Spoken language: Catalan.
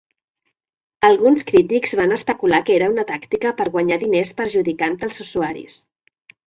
Alguns crítics van especular que era una tàctica per guanyar diners perjudicant els usuaris.